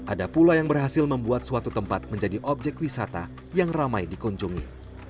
ada pula yang berhasil membuat suatu tempat menjadi objek wisata yang ramai dikunjungi